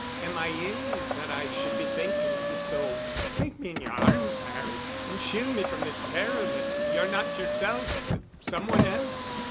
Am I ill that I should be thinking of you so? Take me in your arms, Harry, and shield me from this terror that you're not yourself, but some one else."